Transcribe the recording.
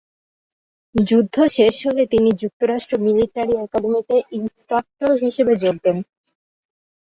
যুদ্ধ শেষ হলে তিনি যুক্তরাষ্ট্র মিলিটারি একাডেমীতে ইন্সট্রাক্টর হিসেবে যোগ দেন।